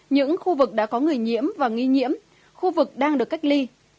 những khu vực đã có người nhiễm và nghi nhiễm khu vực đang được cách ly